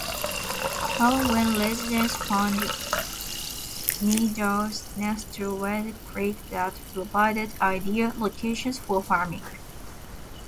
Parowan residents found meadows next to Red Creek that provided ideal locations for farming.